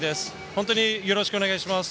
本当によろしくお願いします。